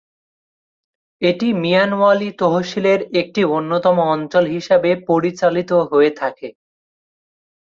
এটি মিয়ানওয়ালী তহসিলের একটি অন্যতম অঞ্চল হিসেবে পরিচালিত হয়ে থাকে।